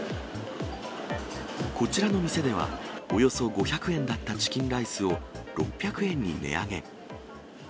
こちらの店では、およそ５００円だったチキンライスを６００円に値上げ。